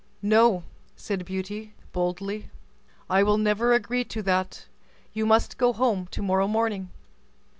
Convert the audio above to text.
"No," said Beauty, boldly, "I will never agree to that; you must go home to morrow morning."